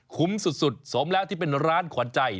สุดสมแล้วที่เป็นร้านขวัญใจ